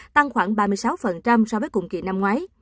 tăng khoảng ba mươi sáu so với cùng kỳ năm ngoái